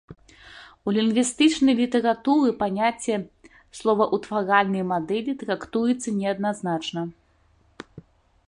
У лінгвістычнай літаратуры паняцце словаўтваральнай мадэлі трактуецца неадназначна.